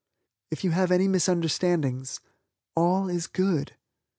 If you have any misunderstandings, All is Good.